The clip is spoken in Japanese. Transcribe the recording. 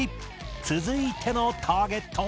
続いてのターゲットは？